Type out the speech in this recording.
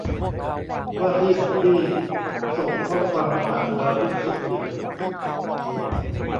ว่าที่บัดดี้ส่งข้อความมาถามสารทุกข์สุขดิบ